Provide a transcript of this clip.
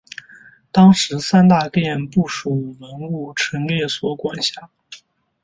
当时三大殿不属古物陈列所管辖。